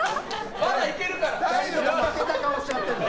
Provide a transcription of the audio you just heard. まだいけるから！